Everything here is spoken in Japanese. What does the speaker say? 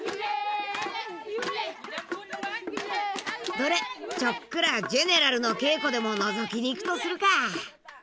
どれちょっくらジェネラルの稽古でものぞきに行くとするか。